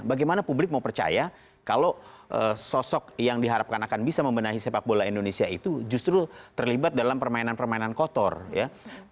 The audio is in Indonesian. bagaimana publik mau percaya kalau sosok yang diharapkan akan bisa membenahi sepak bola indonesia itu justru terlibat dalam permainan permainan kotor ya